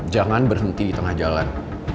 jangan berhenti di tengah jalan